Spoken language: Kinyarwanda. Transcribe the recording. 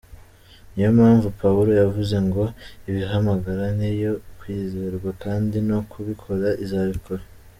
Niyo mpamvu Pawulo yavuze ngo “Ibahamagara ni iyo kwizerwa kandi no kubikora izabikora.